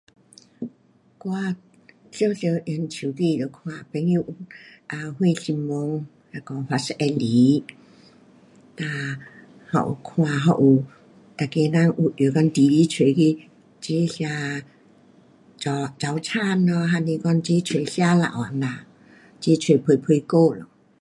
我常常用手机就看朋友有啊什新闻那个 whatsapp 来。哒还有看还有每个人有约讲几时出吃早，早餐咯，还是齐出吃【午餐】这样。齐出陪陪聊